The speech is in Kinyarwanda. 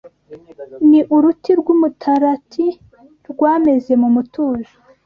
Ni uruti rw’umutarati Rwameze mu mutuzo